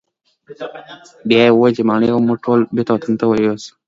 بیا یې وویل چې ماڼۍ او موږ ټول بیرته وطن ته یوسه.